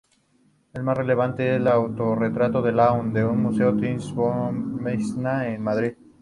El más relevante es el "Autorretrato con laúd" del Museo Thyssen-Bornemisza de Madrid.